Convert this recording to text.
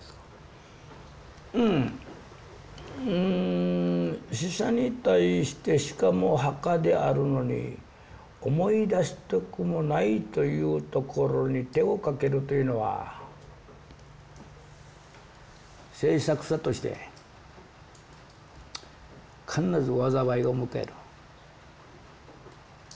うん死者に対してしかも墓であるのに思い出したくもないというところに手をかけるというのは制作者として必ず災いを迎える。